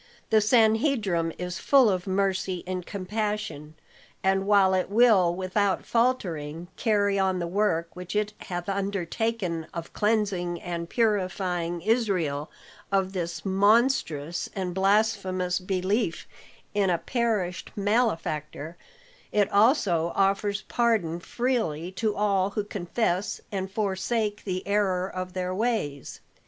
"The Sanhedrim is full of mercy and compassion; and while it will without faltering carry on the work which it hath undertaken of cleansing and purifying Israel of this monstrous and blasphemous belief in a perished malefactor, it also offers pardon freely to all who confess and forsake the error of their ways.